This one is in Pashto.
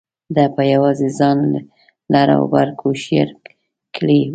ده په یوازې ځان لر او بر کوشیر کړی و.